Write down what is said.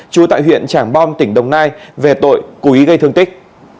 trú tại huyện trảng bom tỉnh đồng nai về tội cú ý gây thương tích